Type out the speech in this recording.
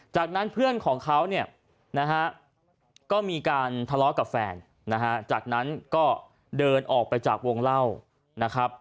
จากนั้นเพื่อนของเขาก็มีการทะเลาะกับแฟนจากนั้นก็เดินออกไปจากวงเล่า